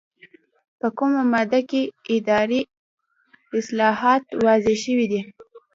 په کومه ماده کې اداري اصلاحات واضح شوي دي؟